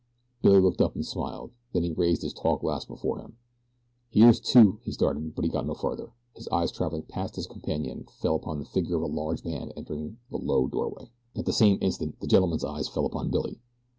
Billy looked up and smiled. Then he raised his tall glass before him. "Here's to," he started; but he got no further. His eyes traveling past his companion fell upon the figure of a large man entering the low doorway. At the same instant the gentleman's eyes fell upon Billy.